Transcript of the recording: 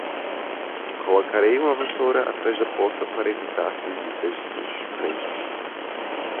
Colocarei uma vassoura atrás da porta para evitar visitas dos parentes